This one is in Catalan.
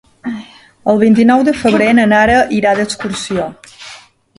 El vint-i-nou de febrer na Nara irà d'excursió.